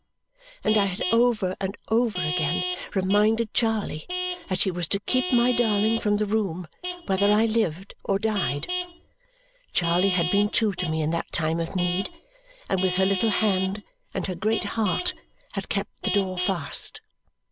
and I had over and over again reminded Charley that she was to keep my darling from the room whether I lived or died. Charley had been true to me in that time of need, and with her little hand and her great heart had kept the door fast.